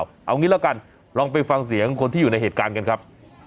เอางี้ละกันลองไปฟังเสียงคนที่อยู่ในเหตุการณ์กันครับ